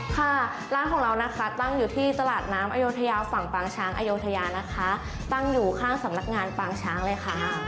ค่ะร้านของเรานะคะตั้งอยู่ที่ตลาดน้ำอโยธยาฝั่งปางช้างอโยธยานะคะตั้งอยู่ข้างสำนักงานปางช้างเลยค่ะ